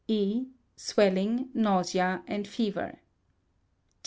_) E. Swelling, nausea, and fever.